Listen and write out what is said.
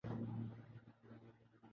Congo